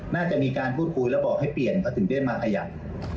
น่าจะมีการพูดคุยแล้วบอกให้เปลี่ยนก็ถึงได้มาขยัน